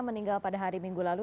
meninggal pada hari minggu lalu